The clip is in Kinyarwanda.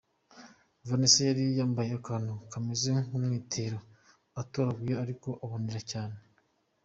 Vanessa yari yambaye akantu kameze nk’umwitero utobaguye ariko ubonerana cyane.